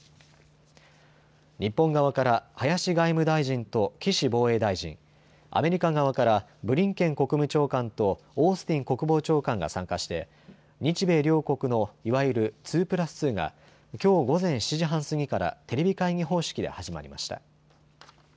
日本側から林外務大臣と岸防衛大臣、アメリカ側からブリンケン国務長官とオースティン国防長官が参加して日米両国のいわゆる２プラス２がきょう午前７時半過ぎからテレビ会議方式で始まりました。